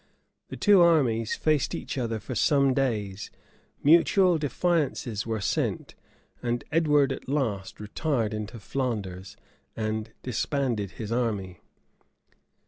The two armies faced each other for some days: mutual defiances were sent: and Edward, at last, retired into Flanders, and disbanded his army.